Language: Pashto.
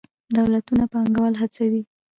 دولتونه پانګوال هڅوي.